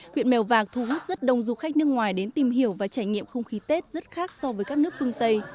huyện mèo vàng thu hút rất đông du khách nước ngoài đến tìm hiểu và trải nghiệm không khí tết rất khác so với các nước phương tây